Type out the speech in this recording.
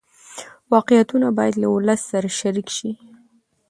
واقعیتونه باید له ولس سره شریک شي.